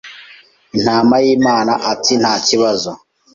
intama y ’Imana ati nta kibazo.